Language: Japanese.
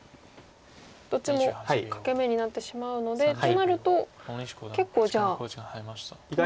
どっちも欠け眼になってしまうのでこうなると結構じゃあまだ。